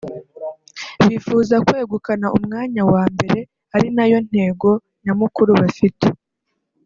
bifuza kwegukana umwanya wa mbere ari nayo ntego nyamukuru bafite